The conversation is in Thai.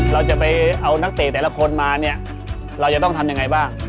เราจะไปเอานักเตะแต่ละคนมาเนี่ยเราจะต้องทำยังไงบ้าง